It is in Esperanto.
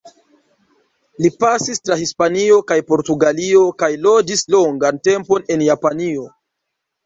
Li pasis tra Hispanio kaj Portugalio, kaj loĝis longan tempon en Japanio.